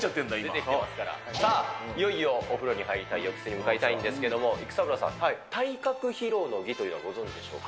出てきてますから、いよいよお風呂に入りたい、浴室に向かいたいんですけれども、育三郎さん、体格披露の儀というのはご存じでしょうか。